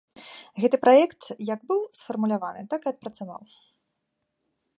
Гэты праект, як быў сфармуляваны, так і адпрацаваў.